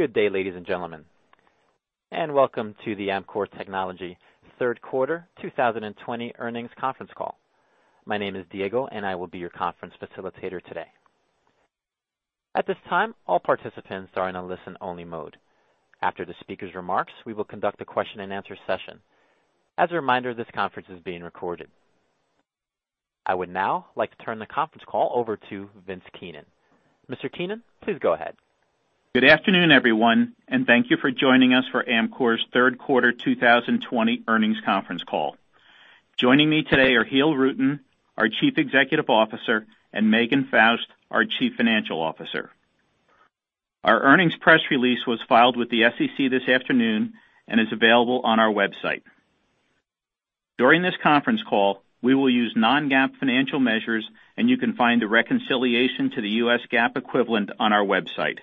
Good day, ladies and gentlemen, and welcome to the Amkor Technology third quarter 2020 earnings conference call. My name is Diego, and I will be your conference facilitator today. At this time, all participants are in a listen-only mode. After the speaker's remarks, we will conduct a question and answer session. As a reminder, this conference is being recorded. I would now like to turn the conference call over to Vince Keenan. Mr. Keenan, please go ahead. Good afternoon, everyone, and thank you for joining us for Amkor's third quarter 2020 earnings conference call. Joining me today are Giel Rutten, our Chief Executive Officer, and Megan Faust, our Chief Financial Officer. Our earnings press release was filed with the SEC this afternoon and is available on our website. During this conference call, we will use non-GAAP financial measures, and you can find the reconciliation to the U.S. GAAP equivalent on our website.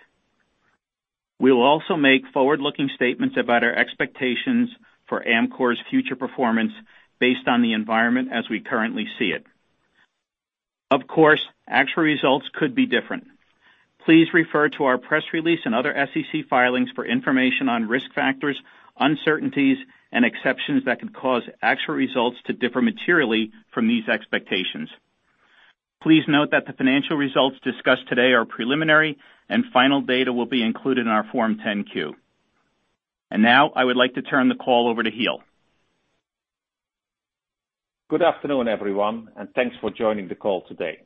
We will also make forward-looking statements about our expectations for Amkor's future performance based on the environment as we currently see it. Of course, actual results could be different. Please refer to our press release and other SEC filings for information on risk factors, uncertainties, and exceptions that could cause actual results to differ materially from these expectations. Please note that the financial results discussed today are preliminary and final data will be included in our Form 10-Q. Now I would like to turn the call over to Giel. Good afternoon, everyone, and thanks for joining the call today.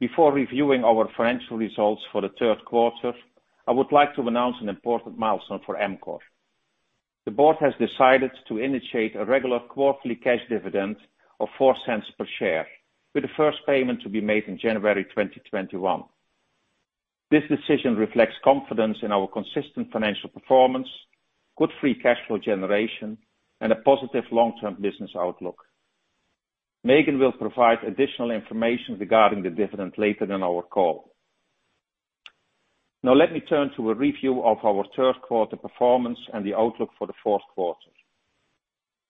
Before reviewing our financial results for the third quarter, I would like to announce an important milestone for Amkor. The board has decided to initiate a regular quarterly cash dividend of $0.04 per share, with the first payment to be made in January 2021. This decision reflects confidence in our consistent financial performance, good free cash flow generation, and a positive long-term business outlook. Megan will provide additional information regarding the dividend later in our call. Now let me turn to a review of our third-quarter performance and the outlook for the fourth quarter.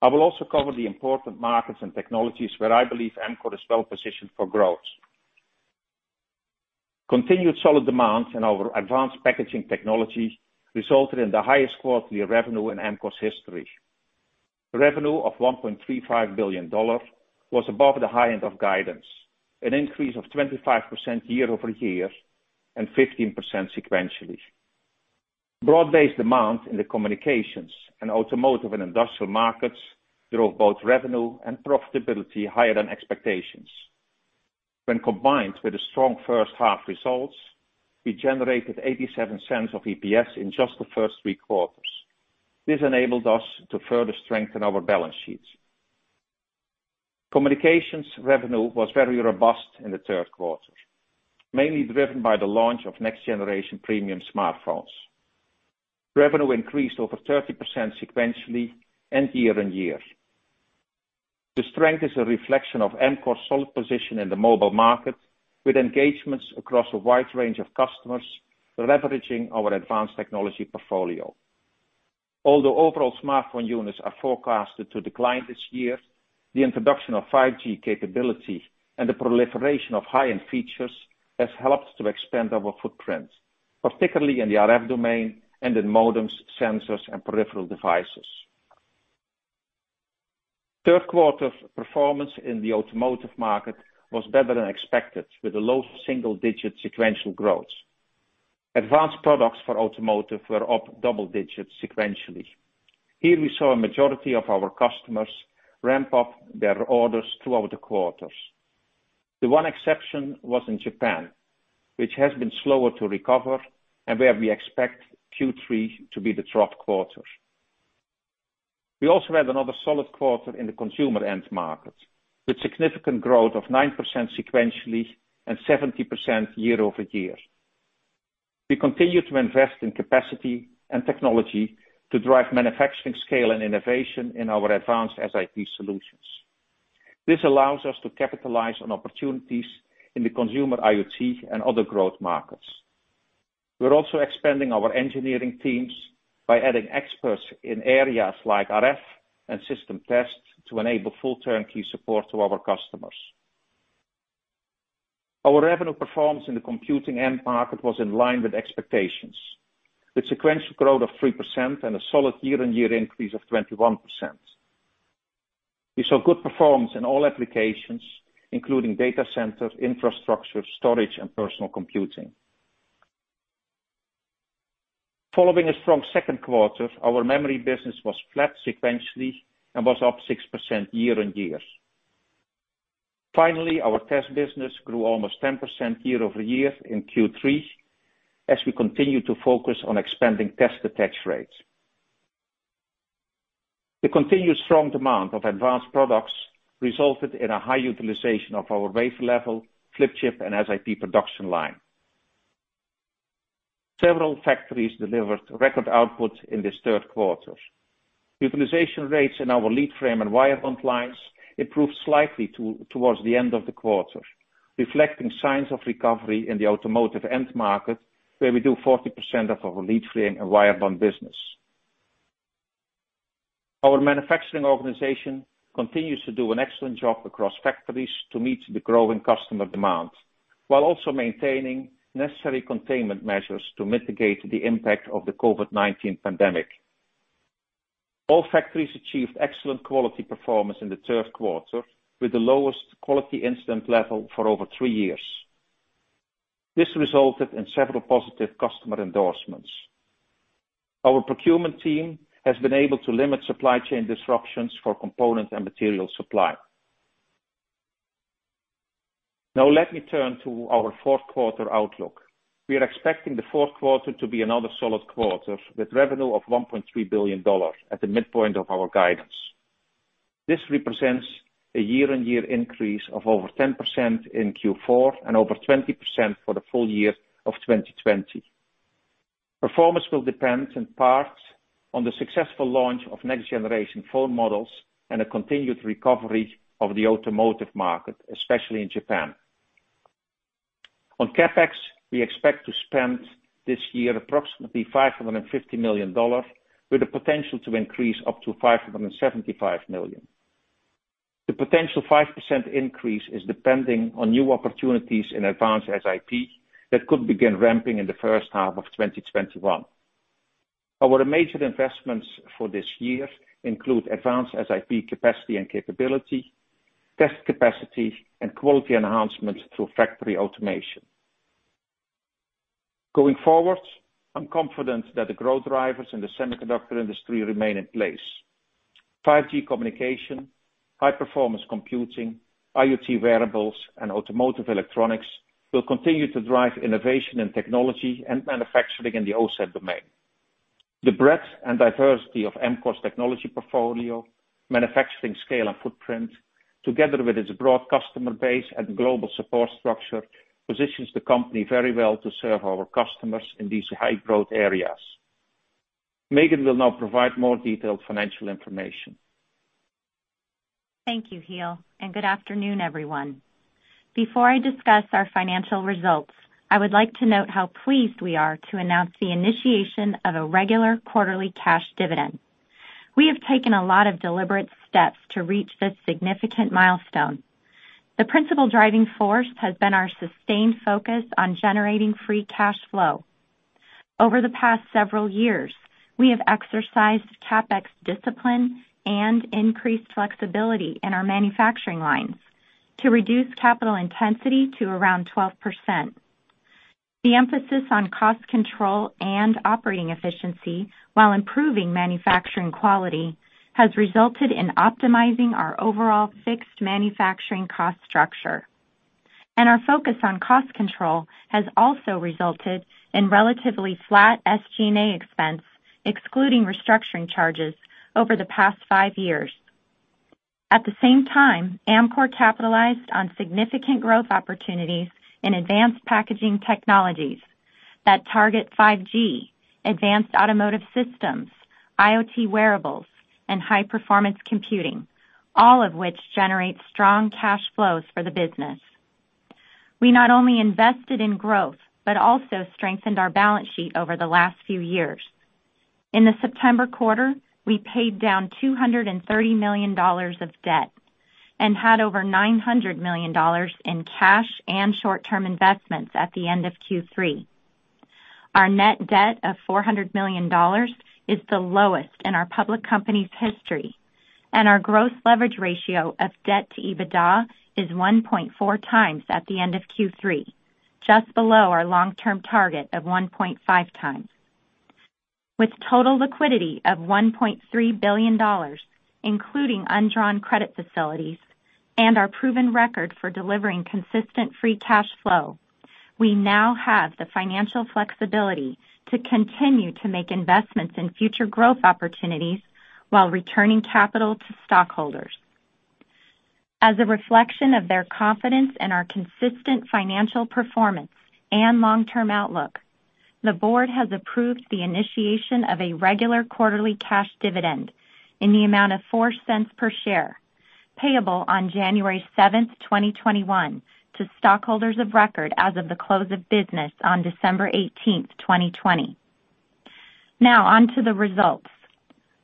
I will also cover the important markets and technologies where I believe Amkor is well-positioned for growth. Continued solid demand in our advanced packaging technology resulted in the highest quarterly revenue in Amkor's history. Revenue of $1.35 billion was above the high end of guidance, an increase of 25% year-over-year and 15% sequentially. Broad-based demand in the communications and automotive and industrial markets drove both revenue and profitability higher than expectations. When combined with the strong first half results, we generated $0.87 of EPS in just the first three quarters. This enabled us to further strengthen our balance sheets. Communications revenue was very robust in the third quarter, mainly driven by the launch of next-generation premium smartphones. Revenue increased over 30% sequentially and year-on-year. The strength is a reflection of Amkor's solid position in the mobile market, with engagements across a wide range of customers leveraging our advanced technology portfolio. Although overall smartphone units are forecasted to decline this year, the introduction of 5G capability and the proliferation of high-end features has helped to expand our footprint, particularly in the RF domain and in modems, sensors, and peripheral devices. Third quarter performance in the automotive market was better than expected, with a low single-digit sequential growth. Advanced products for automotive were up double digits sequentially. Here we saw a majority of our customers ramp up their orders throughout the quarters. The one exception was in Japan, which has been slower to recover and where we expect Q3 to be the trough quarter. We also had another solid quarter in the consumer end market, with significant growth of 9% sequentially and 70% year-over-year. We continue to invest in capacity and technology to drive manufacturing scale and innovation in our advanced SiP solutions. This allows us to capitalize on opportunities in the consumer IoT and other growth markets. We're also expanding our engineering teams by adding experts in areas like RF and system tests to enable full turnkey support to our customers. Our revenue performance in the computing end market was in line with expectations, with sequential growth of 3% and a solid year-on-year increase of 21%. We saw good performance in all applications, including data centers, infrastructure, storage, and personal computing. Following a strong second quarter, our memory business was flat sequentially and was up 6% year-over-year. Finally, our test business grew almost 10% year-over-year in Q3 as we continue to focus on expanding test attach rates. The continued strong demand of advanced products resulted in a high utilization of our wafer-level, flip chip, and SiP production line. Several factories delivered record output in this third quarter. Utilization rates in our lead frame and wire bond lines improved slightly towards the end of the quarter, reflecting signs of recovery in the automotive end market, where we do 40% of our lead frame and wire bond business. Our manufacturing organization continues to do an excellent job across factories to meet the growing customer demand, while also maintaining necessary containment measures to mitigate the impact of the COVID-19 pandemic. All factories achieved excellent quality performance in the third quarter, with the lowest quality incident level for over three years. This resulted in several positive customer endorsements. Our procurement team has been able to limit supply chain disruptions for component and material supply. Let me turn to our fourth quarter outlook. We are expecting the fourth quarter to be another solid quarter with revenue of $1.3 billion at the midpoint of our guidance. This represents a year-on-year increase of over 10% in Q4 and over 20% for the full year of 2020. Performance will depend in part on the successful launch of next-generation phone models and a continued recovery of the automotive market, especially in Japan. On CapEx, we expect to spend this year approximately $550 million, with the potential to increase up to $575 million. The potential 5% increase is depending on new opportunities in advanced SiP that could begin ramping in the first half of 2021. Our major investments for this year include advanced SiP capacity and capability, test capacity, and quality enhancements through factory automation. Going forward, I'm confident that the growth drivers in the semiconductor industry remain in place. 5G communication, high-performance computing, IoT wearables, and automotive electronics will continue to drive innovation in technology and manufacturing in the OSAT domain. The breadth and diversity of Amkor's technology portfolio, manufacturing scale and footprint, together with its broad customer base and global support structure, positions the company very well to serve our customers in these high-growth areas. Megan will now provide more detailed financial information. Thank you, Giel, and good afternoon, everyone. Before I discuss our financial results, I would like to note how pleased we are to announce the initiation of a regular quarterly cash dividend. We have taken a lot of deliberate steps to reach this significant milestone. The principal driving force has been our sustained focus on generating free cash flow. Over the past several years, we have exercised CapEx discipline and increased flexibility in our manufacturing lines to reduce capital intensity to around 12%. The emphasis on cost control and operating efficiency while improving manufacturing quality has resulted in optimizing our overall fixed manufacturing cost structure. Our focus on cost control has also resulted in relatively flat SG&A expense, excluding restructuring charges over the past five years. At the same time, Amkor capitalized on significant growth opportunities in advanced packaging technologies that target 5G, advanced automotive systems, IoT wearables, and high-performance computing, all of which generate strong cash flows for the business. We not only invested in growth, but also strengthened our balance sheet over the last few years. In the September quarter, we paid down $230 million of debt and had over $900 million in cash and short-term investments at the end of Q3. Our net debt of $400 million is the lowest in our public company's history, and our gross leverage ratio of debt to EBITDA is 1.4x at the end of Q3, just below our long-term target of 1.5x. With total liquidity of $1.3 billion, including undrawn credit facilities and our proven record for delivering consistent free cash flow, we now have the financial flexibility to continue to make investments in future growth opportunities while returning capital to stockholders. As a reflection of their confidence in our consistent financial performance and long-term outlook, the board has approved the initiation of a regular quarterly cash dividend in the amount of $0.04 per share, payable on January 7th, 2021, to stockholders of record as of the close of business on December 18th, 2020. Now on to the results.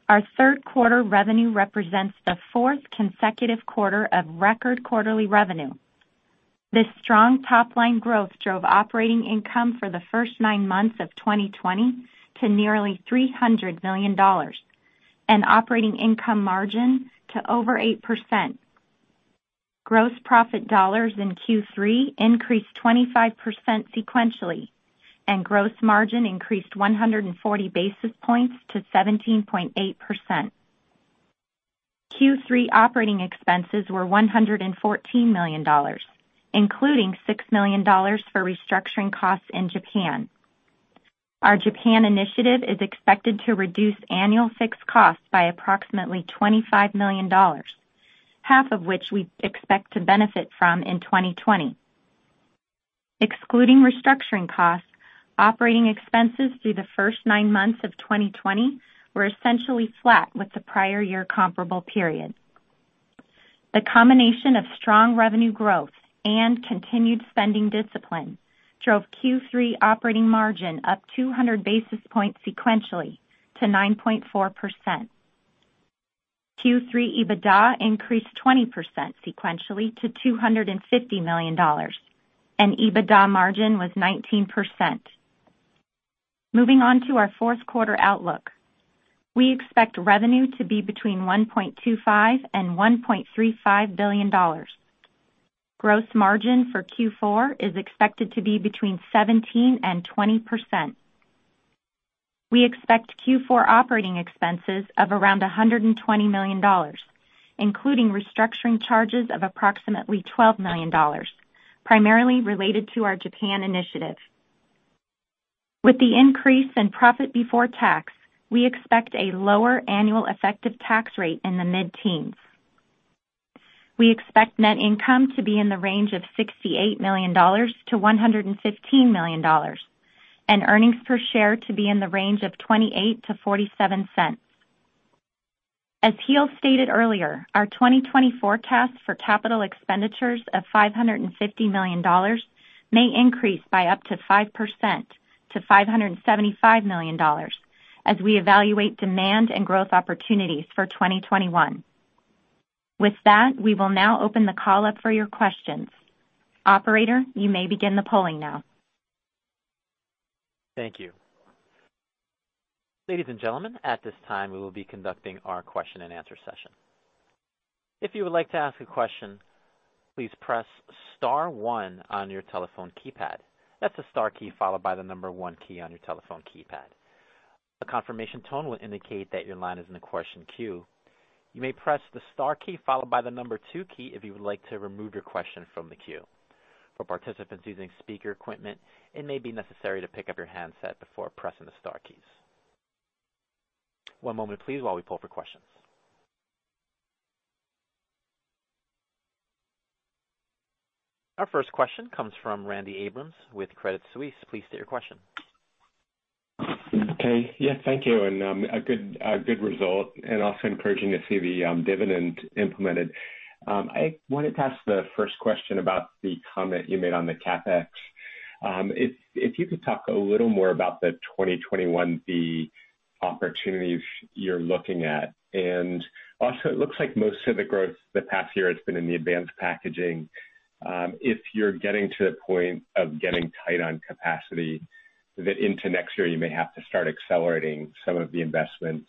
Our third-quarter revenue represents the fourth consecutive quarter of record quarterly revenue. This strong top-line growth drove operating income for the first nine months of 2020 to nearly $300 million, and operating income margin to over 8%. Gross profit dollars in Q3 increased 25% sequentially, and gross margin increased 140 basis points to 17.8%. Q3 operating expenses were $114 million, including $6 million for restructuring costs in Japan. Our Japan initiative is expected to reduce annual fixed costs by approximately $25 million, half of which we expect to benefit from in 2020. Excluding restructuring costs, operating expenses through the first nine months of 2020 were essentially flat with the prior year comparable period. The combination of strong revenue growth and continued spending discipline drove Q3 operating margin up 200 basis points sequentially to 9.4%. Q3 EBITDA increased 20% sequentially to $250 million, and EBITDA margin was 19%. Moving on to our fourth quarter outlook. We expect revenue to be between $1.25 billion and $1.35 billion. Gross margin for Q4 is expected to be between 17% and 20%. We expect Q4 operating expenses of around $120 million, including restructuring charges of approximately $12 million, primarily related to our Japan initiative. With the increase in profit before tax, we expect a lower annual effective tax rate in the mid-teens. We expect net income to be in the range of $68 million-$115 million, and earnings per share to be in the range of $0.28-$0.47. As Giel stated earlier, our 2020 forecast for CapEx of $550 million may increase by up to 5%, to $575 million, as we evaluate demand and growth opportunities for 2021. With that, we will now open the call up for your questions. Operator, you may begin the polling now. Thank you. Ladies and gentlemen, at this time, we will be conducting our question-and-answer session. If you would like to ask a question, please press star one on your telephone keypad. That's the star key followed by the number one key on your telephone keypad. A confirmation tone will indicate that your line is in the question queue. You may press the star key followed by the number two key if you would like to remove your question from the queue. For participants using speaker equipment, it may be necessary to pick up your handset before pressing the star keys. One moment please while we poll for questions. Our first question comes from Randy Abrams with Credit Suisse. Please state your question. Okay. Yeah, thank you. A good result and also encouraging to see the dividend implemented. I wanted to ask the first question about the comment you made on the CapEx. If you could talk a little more about the 2021, the opportunities you're looking at. Also, it looks like most of the growth the past year has been in the advanced packaging. If you're getting to the point of getting tight on capacity, that into next year, you may have to start accelerating some of the investments.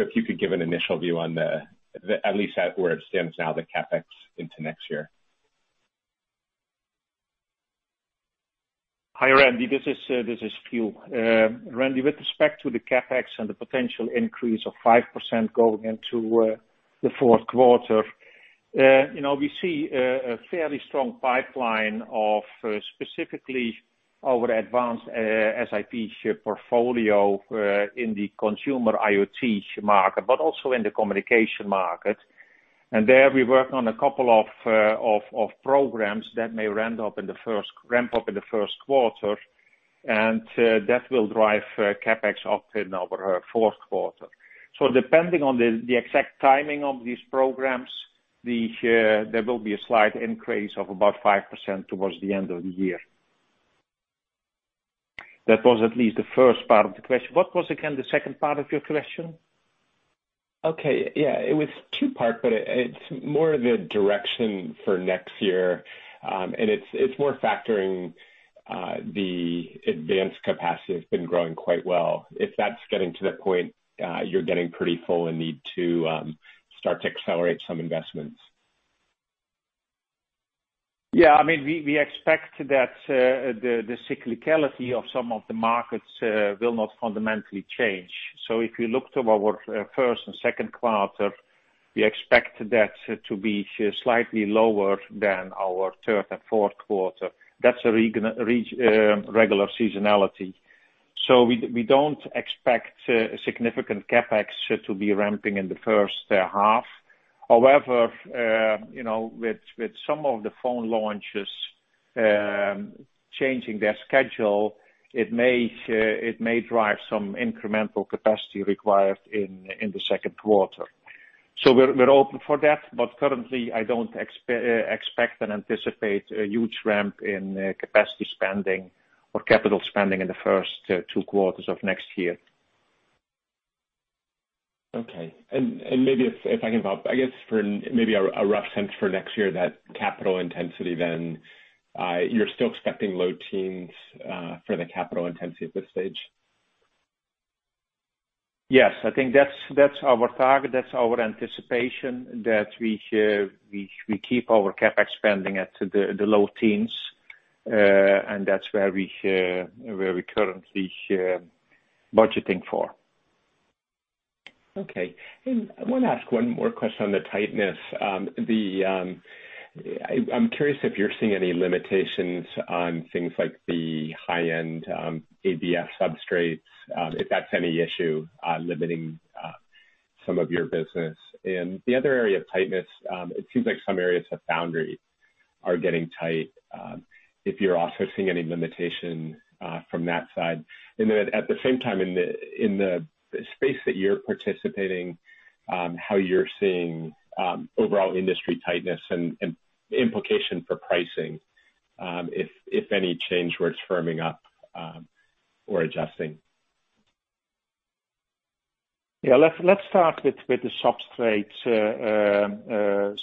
If you could give an initial view on the, at least where it stands now, the CapEx into next year. Hi, Randy. This is Giel. Randy, with respect to the CapEx and the potential increase of 5% going into the fourth quarter, we see a fairly strong pipeline of specifically our advanced SiP portfolio in the consumer IoT market, but also in the communication market. There we work on a couple of programs that may ramp up in the first quarter, and that will drive CapEx up in our fourth quarter. Depending on the exact timing of these programs, there will be a slight increase of about 5% towards the end of the year. That was at least the first part of the question. What was, again, the second part of your question? Okay. Yeah, it was two-part, but it's more the direction for next year. It's more factoring the advanced capacity has been growing quite well. If that's getting to the point, you're getting pretty full and need to start to accelerate some investments. Yeah, we expect that the cyclicality of some of the markets will not fundamentally change. If you looked at our first and second quarter, we expect that to be slightly lower than our third and fourth quarter. That's a regular seasonality. We don't expect significant CapEx to be ramping in the first half. However, with some of the phone launches changing their schedule, it may drive some incremental capacity required in the second quarter. We're open for that. Currently, I don't expect and anticipate a huge ramp in capacity spending or capital spending in the first two quarters of next year. Okay. Maybe if I can bump, I guess for maybe a rough sense for next year, that capital intensity, then you're still expecting low teens for the capital intensity at this stage? Yes. I think that's our target, that's our anticipation that we keep our CapEx spending at the low teens, and that's where we currently share budgeting for. Okay. I want to ask one more question on the tightness. I'm curious if you're seeing any limitations on things like the high-end ABF substrates, if that's any issue limiting some of your business. The other area of tightness, it seems like some areas have foundries are getting tight, if you're also seeing any limitation from that side. At the same time, in the space that you're participating, how you're seeing overall industry tightness and implication for pricing, if any change were firming up or adjusting. Yeah. Let's start with the substrate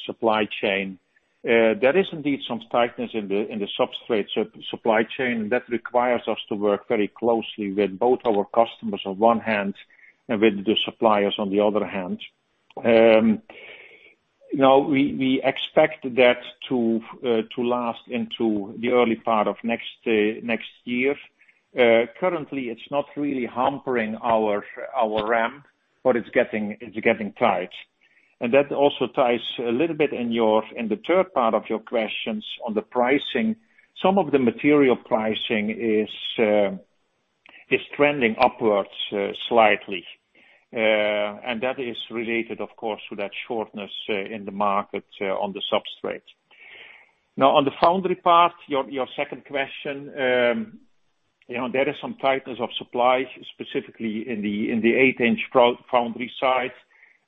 supply chain. There is indeed some tightness in the substrate supply chain. That requires us to work very closely with both our customers on one hand and with the suppliers on the other hand. Now, we expect that to last into the early part of next year. Currently, it's not really hampering our ramp. It's getting tight. That also ties a little bit in the third part of your questions on the pricing. Some of the material pricing is trending upwards slightly. That is related, of course, to that shortness in the market on the substrate. Now, on the foundry part, your second question, there is some tightness of supply, specifically in the 8-in foundry side.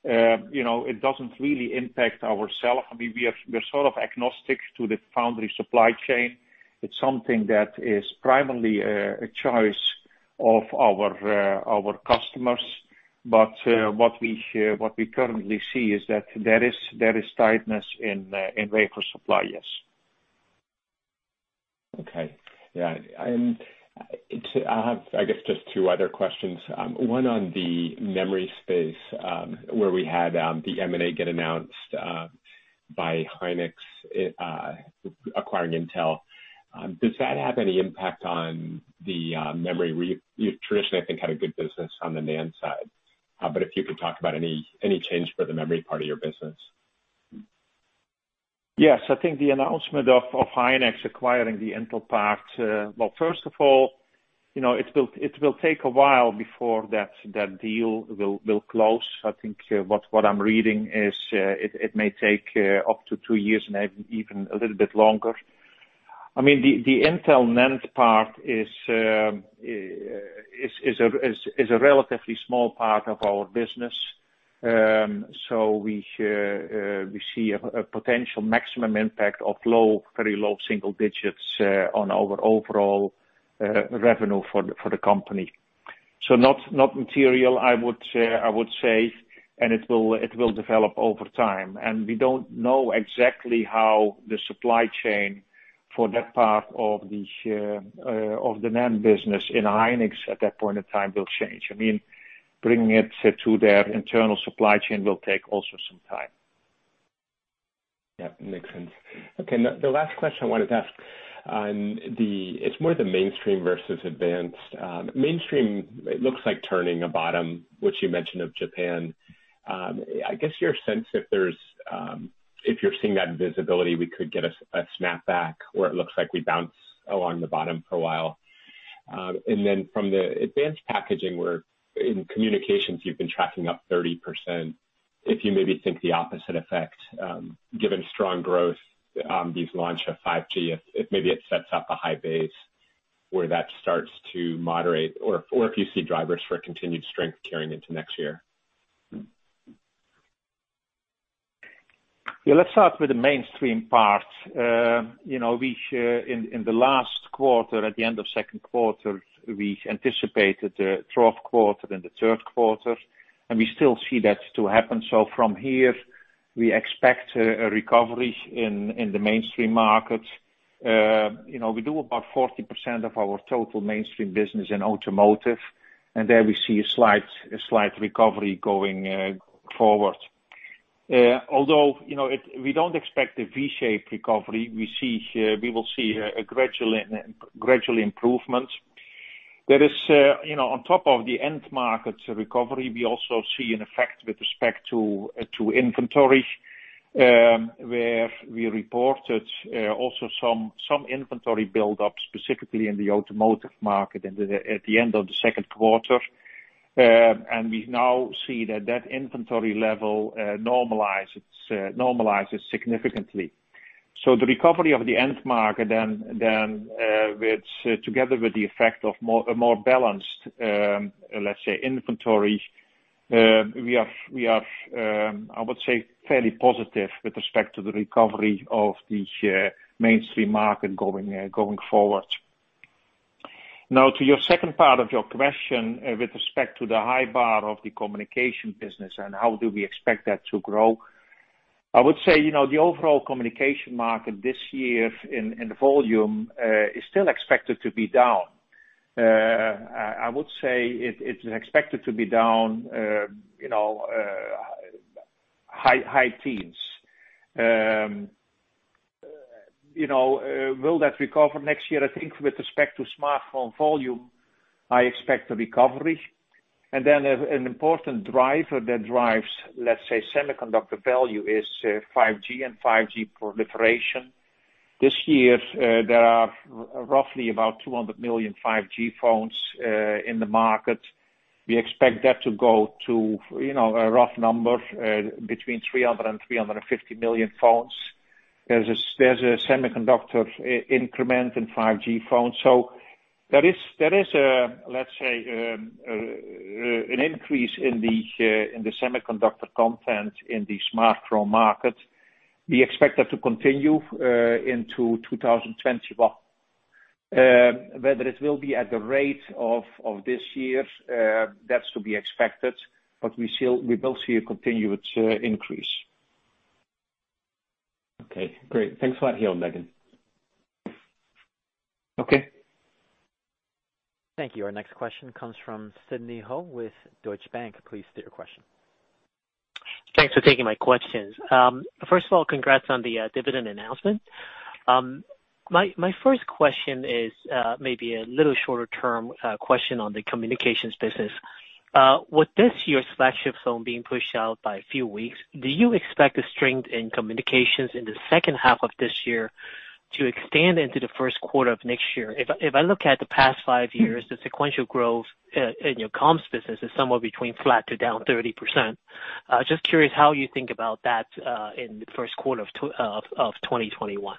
It doesn't really impact ourself. We're sort of agnostic to the foundry supply chain. It's something that is primarily a choice of our customers. What we currently see is that there is tightness in wafer suppliers. Okay. Yeah. I have, I guess, just two other questions. One on the memory space, where we had the M&A get announced by Hynix acquiring Intel. Does that have any impact on the memory? You traditionally, I think, had a good business on the NAND side. If you could talk about any change for the memory part of your business. Yes. I think the announcement of SK hynix acquiring the Intel part, well, first of all, it will take a while before that deal will close. I think what I'm reading is it may take up to two years, maybe even a little bit longer. The Intel NAND part is a relatively small part of our business. We see a potential maximum impact of very low single digits on our overall revenue for the company. Not material, I would say, and it will develop over time. We don't know exactly how the supply chain for that part of the NAND business in SK hynix at that point of time will change. Bringing it to their internal supply chain will take also some time. Yeah, makes sense. Okay. The last question I wanted to ask, it's more the mainstream versus advanced. Mainstream, it looks like turning a bottom, which you mentioned of Japan. I guess your sense if you're seeing that visibility, we could get a snapback, or it looks like we bounce along the bottom for a while. From the advanced packaging, where in communications you've been tracking up 30%, if you maybe think the opposite effect, given strong growth these launch of 5G, if maybe it sets up a high base where that starts to moderate, or if you see drivers for continued strength carrying into next year. Yeah, let's start with the mainstream part. In the last quarter, at the end of second quarter, we anticipated a trough quarter in the third quarter. We still see that to happen. From here, we expect a recovery in the mainstream market. We do about 40% of our total mainstream business in automotive. There we see a slight recovery going forward. Although, we don't expect a V-shaped recovery. We will see a gradual improvement. On top of the end markets recovery, we also see an effect with respect to inventory, where we reported also some inventory buildup, specifically in the automotive market at the end of the second quarter. We now see that that inventory level normalizes significantly. The recovery of the end market, then with together with the effect of a more balanced, let's say, inventory, we are, I would say, fairly positive with respect to the recovery of the mainstream market going forward. To your second part of your question, with respect to the high bar of the communication business and how do we expect that to grow, I would say, the overall communication market this year in volume, is still expected to be down. I would say it's expected to be down high teens. Will that recover next year? I think with respect to smartphone volume, I expect a recovery. Then an important driver that drives, let's say, semiconductor value is 5G and 5G proliferation. This year, there are roughly about 200 million 5G phones in the market. We expect that to go to a rough number between 300 million and 350 million phones. There's a semiconductor increment in 5G phones. There is, let's say, an increase in the semiconductor content in the smartphone market. We expect that to continue into 2021. Whether it will be at the rate of this year, that's to be expected. We will see a continued increase. Okay, great. Thanks a lot, Giel and Megan. Okay. Thank you. Our next question comes from Sidney Ho with Deutsche Bank. Please state your question. Thanks for taking my questions. First of all, congrats on the dividend announcement. My first question is maybe a little shorter-term question on the communications business. With this year's flagship phone being pushed out by a few weeks, do you expect the strength in communications in the second half of this year to extend into the first quarter of next year? If I look at the past five years, the sequential growth in your comms business is somewhere between flat to down 30%. Just curious how you think about that in the first quarter of 2021.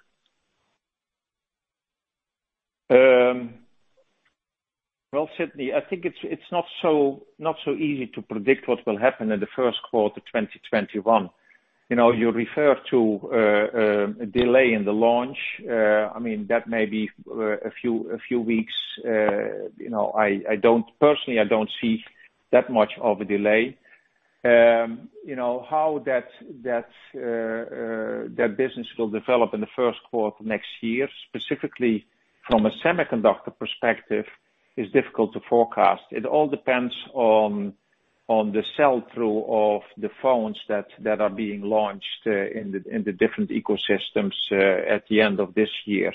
Well, Sidney, I think it's not so easy to predict what will happen in the first quarter 2021. You refer to a delay in the launch. That may be a few weeks. Personally, I don't see that much of a delay. How that business will develop in the first quarter next year, specifically from a semiconductor perspective, is difficult to forecast. It all depends on the sell-through of the phones that are being launched in the different ecosystems at the end of this year.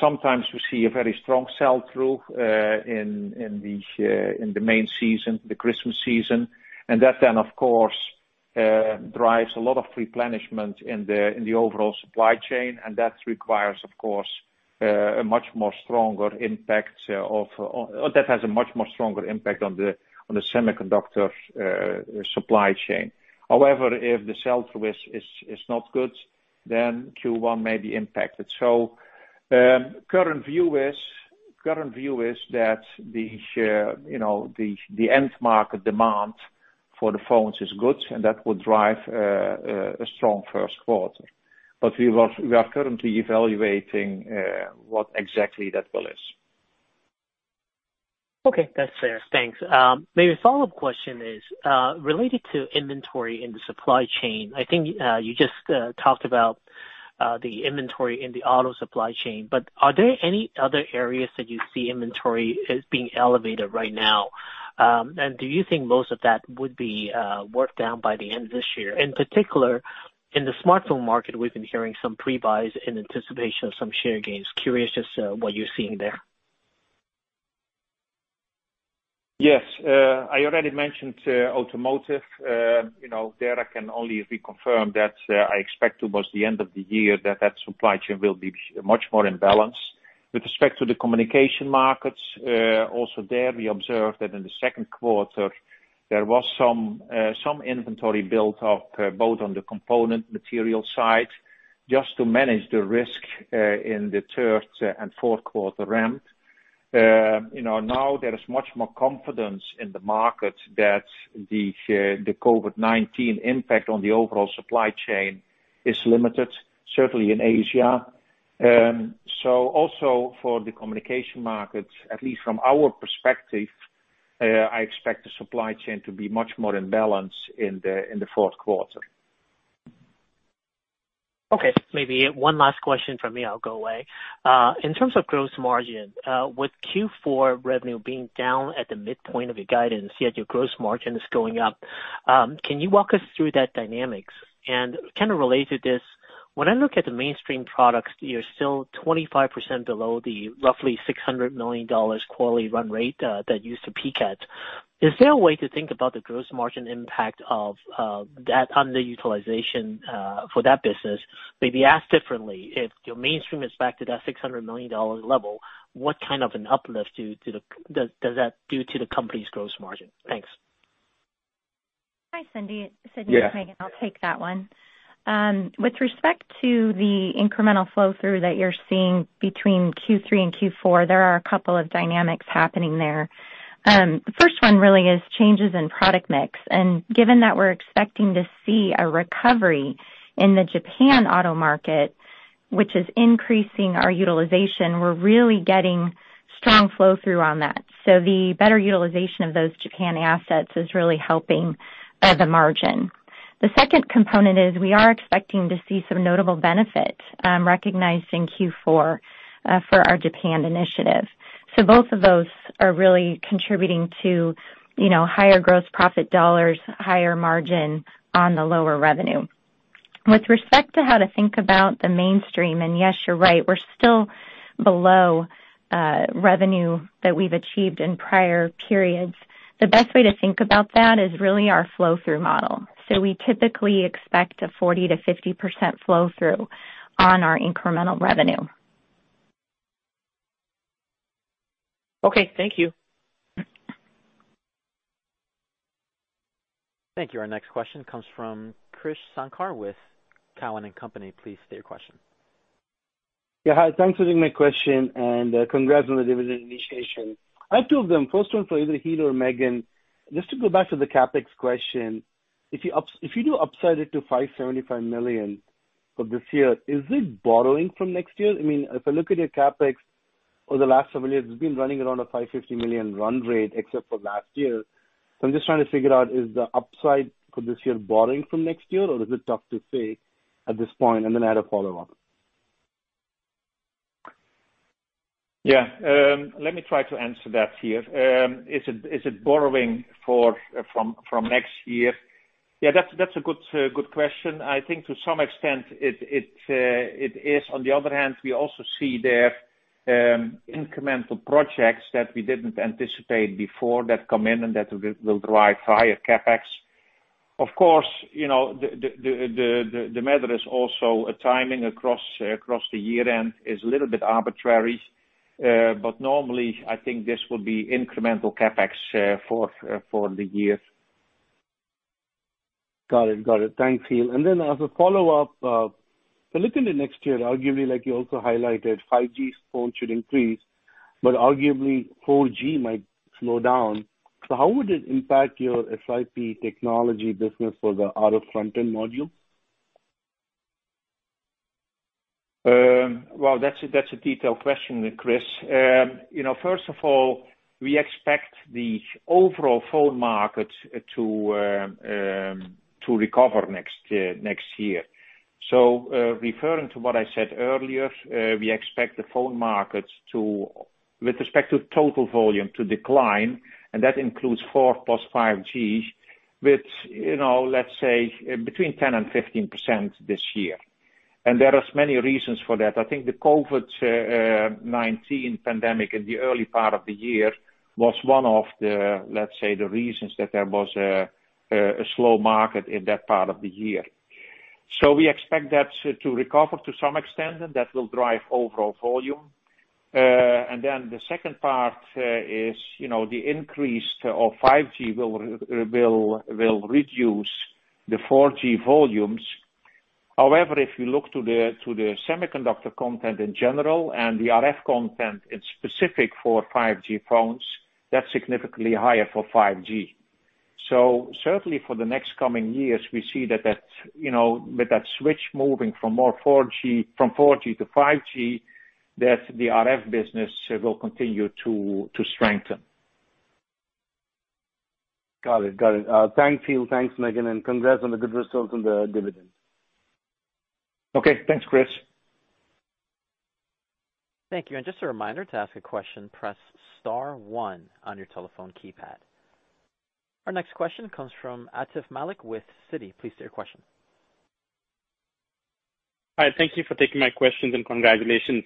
Sometimes we see a very strong sell-through in the main season, the Christmas season, and that then, of course, drives a lot of replenishment in the overall supply chain, and that has a much more stronger impact on the semiconductor supply chain. If the sell-through is not good, then Q1 may be impacted. Current view is that the end market demand for the phones is good, and that will drive a strong first quarter. We are currently evaluating what exactly that will is. Okay. That's fair. Thanks. Maybe a follow-up question is, related to inventory in the supply chain, I think you just talked about the inventory in the auto supply chain, but are there any other areas that you see inventory as being elevated right now? Do you think most of that would be worked down by the end of this year? In particular, in the smartphone market, we've been hearing some pre-buys in anticipation of some share gains. Curious just what you're seeing there? Yes. I already mentioned automotive. There I can only reconfirm that I expect towards the end of the year that that supply chain will be much more in balance. With respect to the communication markets, also there we observed that in the second quarter there was some inventory built up, both on the component material side, just to manage the risk in the third and fourth quarter ramp. Now there is much more confidence in the market that the COVID-19 impact on the overall supply chain is limited, certainly in Asia. Also for the communication markets, at least from our perspective, I expect the supply chain to be much more in balance in the fourth quarter. Okay. Maybe one last question from me, I'll go away. In terms of gross margin, with Q4 revenue being down at the midpoint of your guidance, yet your gross margin is going up, can you walk us through that dynamics? Kind of related to this, when I look at the mainstream products, you're still 25% below the roughly $600 million quarterly run rate that you used to peak at. Is there a way to think about the gross margin impact of that underutilization for that business? Maybe asked differently, if your mainstream is back to that $600 million level, what kind of an uplift does that do to the company's gross margin? Thanks. Hi, Sidney. Yeah. This is Megan. I'll take that one. With respect to the incremental flow-through that you're seeing between Q3 and Q4, there are a couple of dynamics happening there. The first one really is changes in product mix. Given that we're expecting to see a recovery in the Japan auto market, which is increasing our utilization, we're really getting strong flow-through on that. The better utilization of those Japan assets is really helping the margin. The second component is we are expecting to see some notable benefit recognized in Q4 for our Japan Initiative. Both of those are really contributing to higher gross profit dollars, higher margin on the lower revenue. With respect to how to think about the mainstream, yes, you're right, we're still below revenue that we've achieved in prior periods. The best way to think about that is really our flow-through model. We typically expect a 40%-50% flow-through on our incremental revenue. Okay. Thank you. Thank you. Our next question comes from Krish Sankar with Cowen and Company. Please state your question. Hi, thanks for taking my question and congrats on the dividend initiation. I have two of them. First one for either Giel or Megan, just to go back to the CapEx question. If you do upside it to $575 million for this year, is it borrowing from next year? If I look at your CapEx over the last several years, it's been running around a $550 million run rate except for last year. I'm just trying to figure out, is the upside for this year borrowing from next year, or is it tough to say at this point? I had a follow-up. Yeah. Let me try to answer that here. Is it borrowing from next year? Yeah, that's a good question. I think to some extent, it is. On the other hand, we also see there incremental projects that we didn't anticipate before that come in and that will drive higher CapEx. Of course, the matter is also a timing across the year-end is a little bit arbitrary. Normally, I think this will be incremental CapEx for the year. Got it. Thanks, Giel. As a follow-up, if I look into next year, arguably, like you also highlighted, 5G phones should increase, but arguably 4G might slow down. How would it impact your SiP technology business for the auto front-end module? Well, that's a detailed question, Krish. First of all, we expect the overall phone market to recover next year. Referring to what I said earlier, we expect the phone market, with respect to total volume, to decline, and that includes 4G plus 5G, with, let's say, between 10% and 15% this year. There are many reasons for that. I think the COVID-19 pandemic in the early part of the year was one of the, let's say, the reasons that there was a slow market in that part of the year. We expect that to recover to some extent, and that will drive overall volume. The second part is the increase of 5G will reduce the 4G volumes. However, if you look to the semiconductor content in general and the RF content in specific for 5G phones, that's significantly higher for 5G. Certainly for the next coming years, we see that with that switch moving from 4G to 5G, that the RF business will continue to strengthen. Got it. Thanks, Giel. Thanks, Megan, and congrats on the good results on the dividend. Okay. Thanks, Krish. Thank you. Just a reminder, to ask a question, press star one on your telephone keypad. Our next question comes from Atif Malik with Citi. Please state your question. Hi, thank you for taking my questions, and congratulations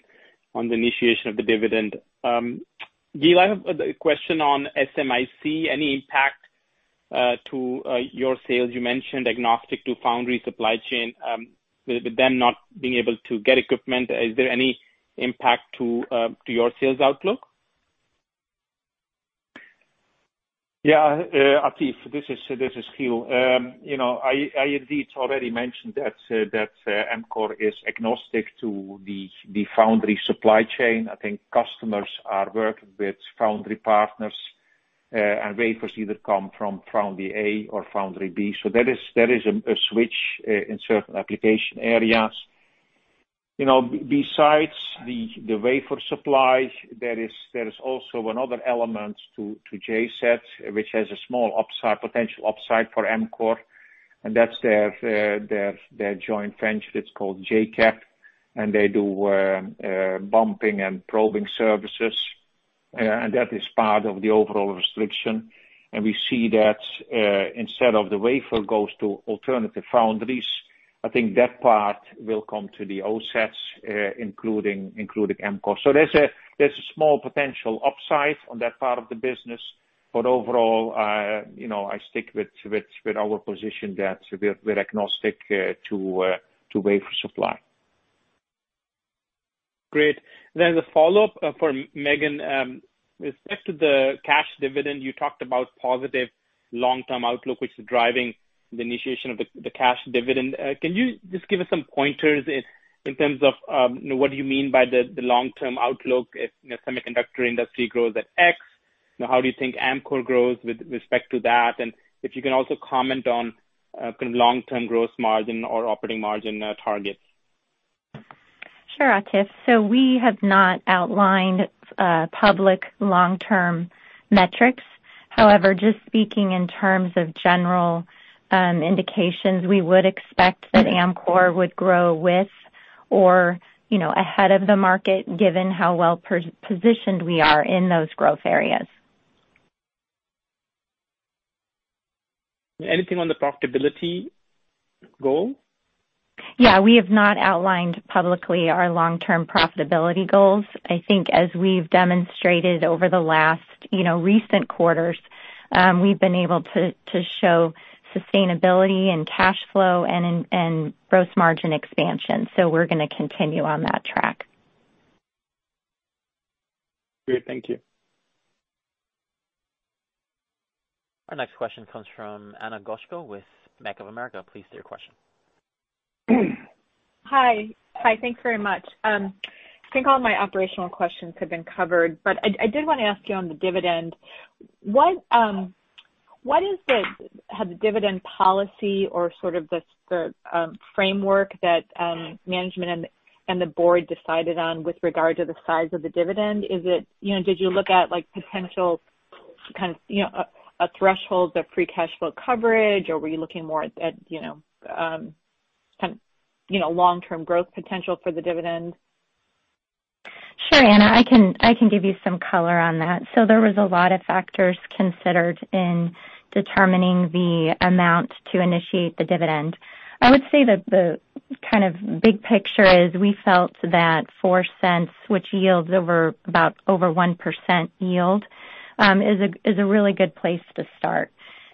on the initiation of the dividend. Giel, I have a question on SMIC. Any impact to your sales? You mentioned agnostic to foundry supply chain. With them not being able to get equipment, is there any impact to your sales outlook? Yeah. Atif, this is Giel. I indeed already mentioned that Amkor is agnostic to the foundry supply chain. I think customers are working with foundry partners, and wafers either come from foundry A or foundry B. There is a switch in certain application areas. Besides the wafer supply, there is also another element to JCET, which has a small potential upside for Amkor, and that's their joint venture that's called JCAP, and they do bumping and probing services. That is part of the overall restriction. We see that instead of the wafer goes to alternative foundries, I think that part will come to the OSATs, including Amkor. There's a small potential upside on that part of the business. Overall, I stick with our position that we're agnostic to wafer supply. Great. As a follow-up for Megan, with respect to the cash dividend, you talked about positive long-term outlook, which is driving the initiation of the cash dividend. Can you just give us some pointers in terms of what do you mean by the long-term outlook if the semiconductor industry grows at X? How do you think Amkor grows with respect to that? If you can also comment on kind of long-term gross margin or operating margin targets. Sure, Atif. We have not outlined public long-term metrics. However, just speaking in terms of general indications, we would expect that Amkor would grow with or ahead of the market, given how well-positioned we are in those growth areas. Anything on the profitability goal? We have not outlined publicly our long-term profitability goals. I think as we've demonstrated over the last recent quarters, we've been able to show sustainability and cash flow and gross margin expansion. We're going to continue on that track. Great. Thank you. Our next question comes from Ana Goshko with Bank of America. Please state your question. Hi. Thanks very much. I think all my operational questions have been covered, but I did want to ask you on the dividend, what is the dividend policy or sort of the framework that management and the board decided on with regard to the size of the dividend? Did you look at potential kind of a threshold of free cash flow coverage, or were you looking more at long-term growth potential for the dividend? Sure, Ana. I can give you some color on that. There was a lot of factors considered in determining the amount to initiate the dividend. I would say that the kind of big picture is we felt that $0.04, which yields over 1% yield, is a really good place to start.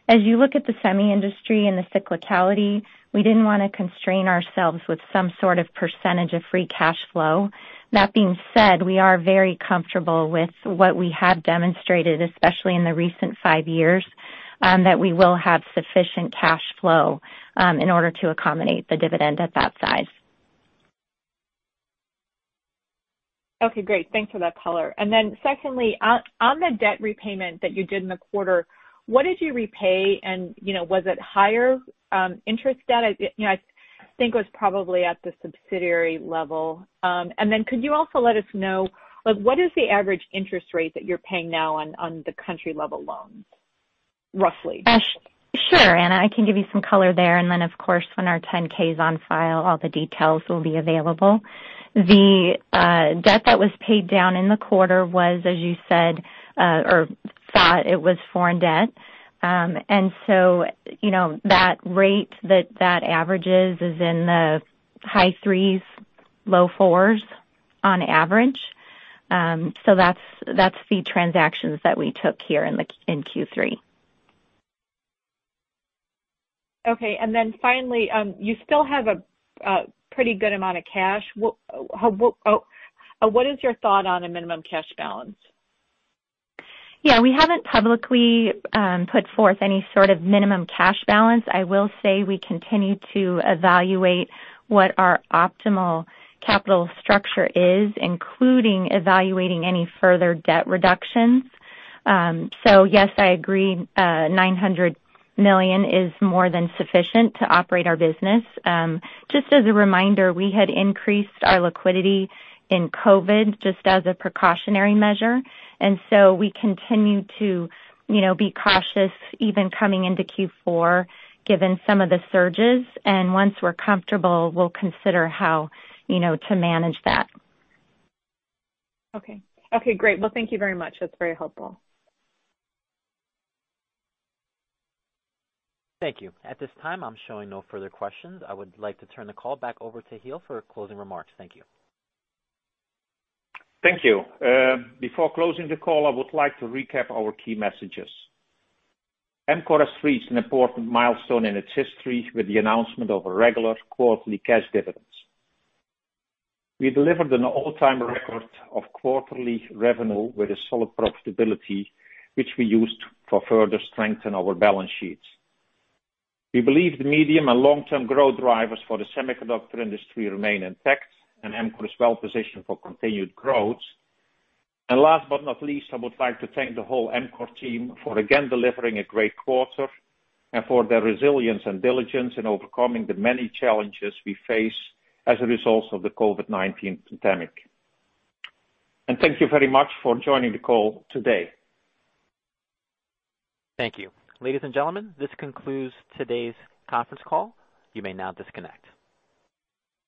As you look at the semi industry and the cyclicality, we didn't want to constrain ourselves with some sort of percentage of free cash flow. That being said, we are very comfortable with what we have demonstrated, especially in the recent five years, that we will have sufficient cash flow in order to accommodate the dividend at that size. Okay, great. Thanks for that color. Secondly, on the debt repayment that you did in the quarter, what did you repay, and was it higher-interest debt? I think it was probably at the subsidiary level. Could you also let us know, what is the average-interest rate that you're paying now on the country-level loans, roughly? Sure, Ana. I can give you some color there, and then, of course, when our 10-K is on file, all the details will be available. The debt that was paid down in the quarter was, as you said, or thought, it was foreign debt. That rate that averages is in the high threes, low fours on average. That's the transactions that we took here in Q3. Okay. Finally, you still have a pretty good amount of cash. What is your thought on a minimum cash balance? Yeah, we haven't publicly put forth any sort of minimum cash balance. I will say we continue to evaluate what our optimal capital structure is, including evaluating any further debt reductions. Yes, I agree, $900 million is more than sufficient to operate our business. Just as a reminder, we had increased our liquidity in COVID-19 just as a precautionary measure. We continue to be cautious even coming into Q4, given some of the surges. Once we're comfortable, we'll consider how to manage that. Okay. Okay, great. Well, thank you very much. That's very helpful. Thank you. At this time, I'm showing no further questions. I would like to turn the call back over to Giel for closing remarks. Thank you. Thank you. Before closing the call, I would like to recap our key messages. Amkor has reached an important milestone in its history with the announcement of a regular quarterly cash dividend. We delivered an all-time record of quarterly revenue with a solid profitability, which we used to further strengthen our balance sheets. We believe the medium and long-term growth drivers for the semiconductor industry remain intact, and Amkor is well-positioned for continued growth. Last but not least, I would like to thank the whole Amkor team for again delivering a great quarter and for their resilience and diligence in overcoming the many challenges we face as a result of the COVID-19 pandemic. Thank you very much for joining the call today. Thank you. Ladies and gentlemen, this concludes today's conference call. You may now disconnect.